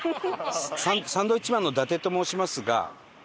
サンドウィッチマンの伊達と申しますが。